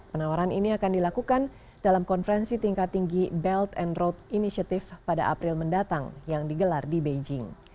penawaran ini akan dilakukan dalam konferensi tingkat tinggi belt and road initiative pada april mendatang yang digelar di beijing